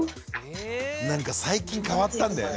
なんか最近変わったんだよね。